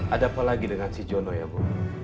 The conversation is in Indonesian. ada apa lagi dengan si jono ya bu